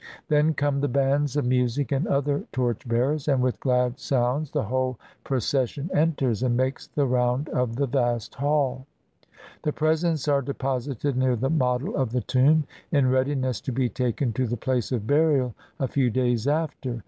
Then come the bands of music and other torchbearers ; and with glad sounds the 209 INDIA whole procession enters, and makes the round of the vast hall. The presents are deposited near the model of the tomb, in readiness to be taken to the place of burial a few days after.